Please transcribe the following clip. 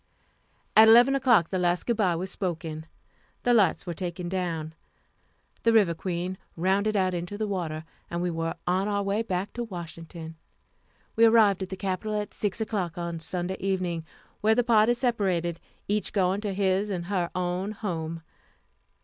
At 11 o'clock the last good by was spoken, the lights were taken down, the River Queen rounded out into the water and we were on our way back to Washington. We arrived at the Capital at 6 o'clock on Sunday evening, where the party separated, each going to his and her own home.